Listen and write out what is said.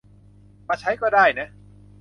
มาใช้ก็ได้นะ